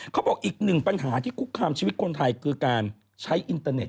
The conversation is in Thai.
เขาบอกอีกหนึ่งปัญหาที่คุกคามชีวิตคนไทยคือการใช้อินเตอร์เน็